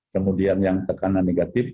kemudian yang tekanan negatif